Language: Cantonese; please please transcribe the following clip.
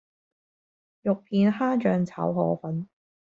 肉片蝦醬炒河粉